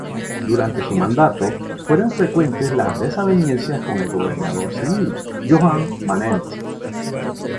Durante su mandato fueron frecuentes las desavenencias con el gobernador civil, Joan Manent.